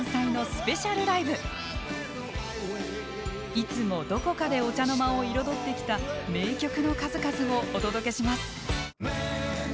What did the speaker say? いつもどこかでお茶の間を彩ってきた名曲の数々をお届けします。